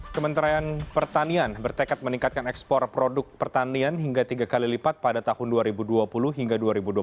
kementerian pertanian bertekad meningkatkan ekspor produk pertanian hingga tiga kali lipat pada tahun dua ribu dua puluh hingga dua ribu dua puluh satu